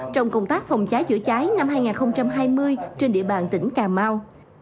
trong công tác phòng cháy chữa cháy năm hai nghìn hai mươi trên địa bàn tỉnh cà mau